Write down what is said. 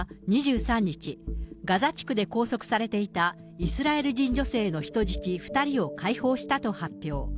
ハマスは２３日、ガザ地区で拘束されていたイスラエル人女性の人質２人を解放したと発表。